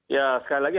ya sekali lagi